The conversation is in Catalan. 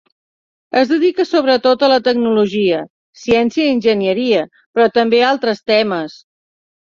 Es dedica sobretot a la tecnologia, ciència i enginyeria, però també a altres temes.